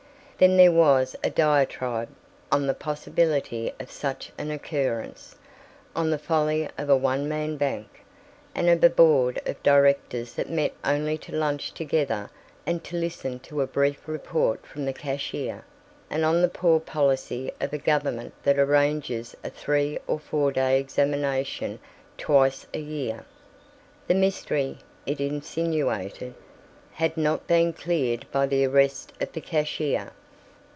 Then there was a diatribe on the possibility of such an occurrence; on the folly of a one man bank, and of a Board of Directors that met only to lunch together and to listen to a brief report from the cashier, and on the poor policy of a government that arranges a three or four day examination twice a year. The mystery, it insinuated, had not been cleared by the arrest of the cashier.